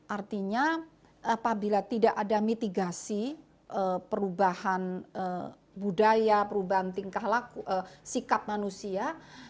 artinya apabila tidak ada mitigasi perubahan budaya perubahan tingkah sikap manusia